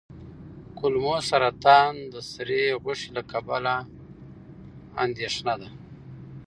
کولمو سرطان د سرې غوښې له کبله اندېښنه ده.